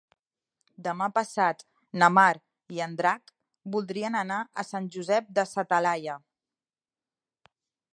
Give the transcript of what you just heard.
Demà passat na Mar i en Drac voldrien anar a Sant Josep de sa Talaia.